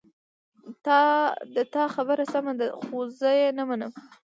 د تا خبره سمه ده خو زه یې نه منم